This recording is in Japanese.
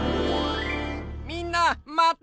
みんなまたね！